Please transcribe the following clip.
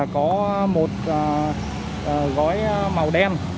có một gói màu đen